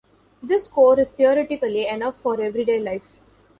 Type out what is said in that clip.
This core is theoretically enough for everyday life.